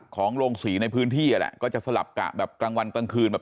โรงศรีในพื้นที่อ่ะแหละก็จะสลับกะแบบกลางวันกลางคืนแบบ